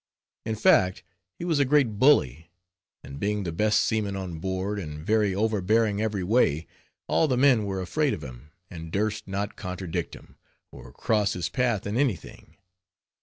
In fact he was a great bully, and being the best seaman on board, and very overbearing every way, all the men were afraid of him, and durst not contradict him, or cross his path in any thing.